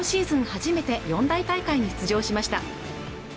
初めて４大大会に出場しました